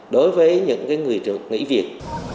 đối với những người nghỉ việc